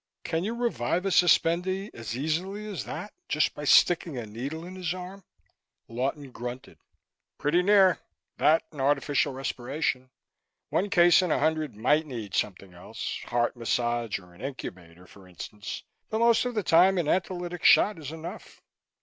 Can you revive a suspendee as easily as that, just by sticking a needle in his arm?" Lawton grunted. "Pretty near, that and artificial respiration. One case in a hundred might need something else heart massage or an incubator, for instance. But most of the time an antilytic shot is enough."